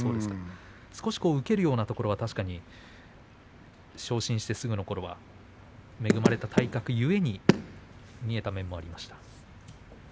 少し受けるようなところが昇進したすぐのころは恵まれた体格ゆえに見えたところもありました。